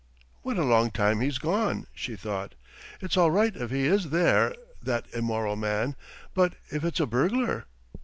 "What a long time he's gone," she thought. "It's all right if he is there ... that immoral man ... but if it's a burglar?"